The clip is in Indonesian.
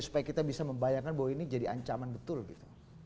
supaya kita bisa membayangkan bahwa ini jadi ancaman betul gitu